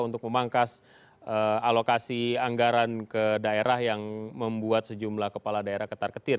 untuk memangkas alokasi anggaran ke daerah yang membuat sejumlah kepala daerah ketar ketir